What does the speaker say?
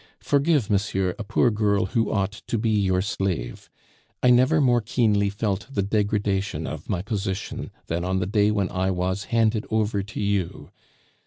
Forgive, monsieur, a poor girl who ought to be your slave. I never more keenly felt the degradation of my position than on the day when I was handed over to you.